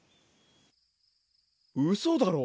うそだろ！？